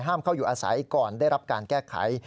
เข้าอยู่อาศัยก่อนได้รับการแก้ไข